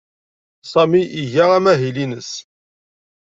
Sami iga amahil-nnes.